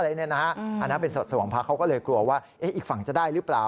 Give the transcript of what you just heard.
อันนั้นเป็นสดส่วนของพักเขาก็เลยกลัวว่าอีกฝั่งจะได้หรือเปล่า